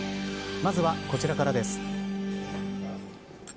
まずはこちらからです。